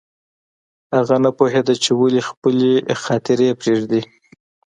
هغه نه پوهېده چې ولې خپلې خاطرې پرېږدي